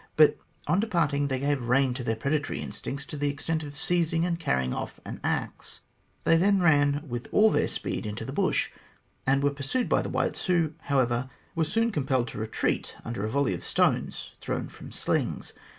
But on departing, they gave rein to their predatory instincts to the extent of seizing and carrying off an axe. They then ran with all their speed into the bush, and were pursued by the whites, who, however, were soon compelled to retreat under a volley of stones thrown from slings.